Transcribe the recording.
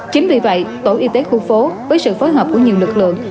chính vì vậy tổ y tế khu phố với sự phối hợp của nhiều lực lượng